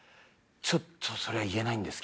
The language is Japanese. ちょっとそれは言えないんです。